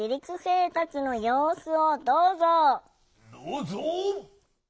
どうぞ！